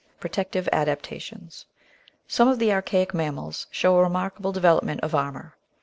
Protective Adaptations Some of the archaic mammals show a remarkable develop ment of armour.